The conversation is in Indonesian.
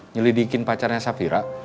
nyelidikin pacarnya safira